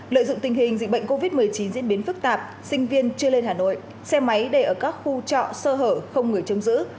lợi dụng tình hình dịch bệnh covid một mươi chín diễn biến phức tạp sinh viên chưa lên hà nội xe máy để ở các khu trọ sơ hở không người trông giữ